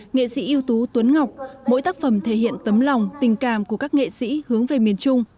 nghệ sĩ ưu tú tuấn ngọc mỗi tác phẩm thể hiện tấm lòng tình cảm của các nghệ sĩ hướng về miền trung